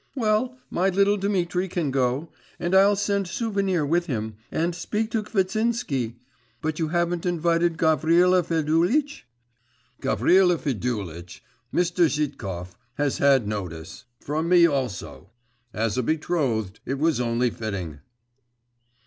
Well, my little Dmitri can go; and I'll send Souvenir with him, and speak to Kvitsinsky.… But you haven't invited Gavrila Fedulitch?' 'Gavrila Fedulitch Mr. Zhitkov has had notice … from me also. As a betrothed, it was only fitting.